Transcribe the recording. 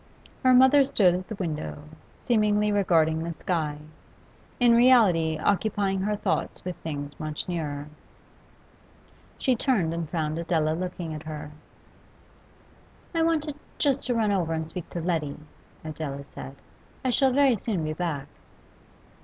Her mother stood at the window, seemingly regarding the sky, in reality occupying her thoughts with things much nearer. She turned and found Adela looking at her. 'I want just to run over and speak to Letty,' Adela said. 'I shall very soon be back.